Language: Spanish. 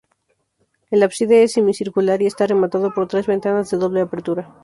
El ábside es semicircular y está rematado por tres ventanas de doble apertura.